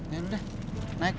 ya udah naik